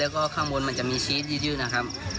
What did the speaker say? แล้วก็ข้างบนมันจะมีชีสยืดนะครับ